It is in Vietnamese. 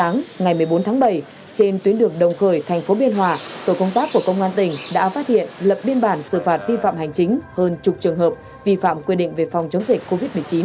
ngày một mươi bốn tháng bảy trên tuyến đường đồng khởi thành phố biên hòa tổ công tác của công an tỉnh đã phát hiện lập biên bản xử phạt vi phạm hành chính hơn chục trường hợp vi phạm quy định về phòng chống dịch covid một mươi chín